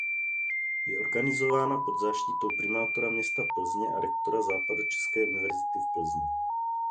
Je organizována pod záštitou primátora města Plzně a rektora Západočeské univerzity v Plzni.